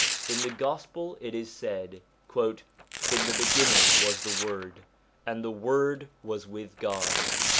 In the Gospel it is said, { In the beginning was the Word, and the Word was with God.'